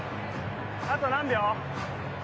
あと何秒？